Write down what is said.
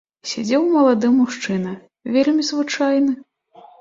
Сядзеў малады мужчына, вельмі звычайны.